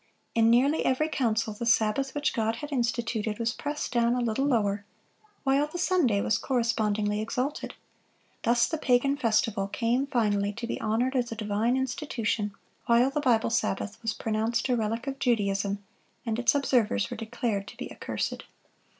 In nearly every council the Sabbath which God had instituted was pressed down a little lower, while the Sunday was correspondingly exalted. Thus the pagan festival came finally to be honored as a divine institution, while the Bible Sabbath was pronounced a relic of Judaism, and its observers were declared to be accursed.